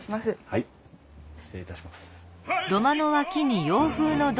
はい失礼いたします。